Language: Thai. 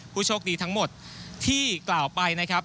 ผู้โชคดีทั้งหมดที่กล่าวไปนะครับ